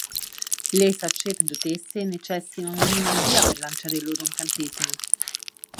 Le sacerdotesse necessitano di magia per lanciare i loro incantesimi.